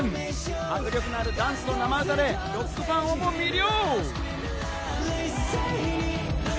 迫力のあるダンスと生歌でロックファンをも魅了。